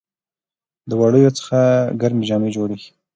د وړیو څخه ګرمې جامې جوړیږي.